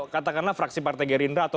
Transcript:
katakanlah fraksi partai gerindra atau